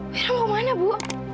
bu hira mau kemana bu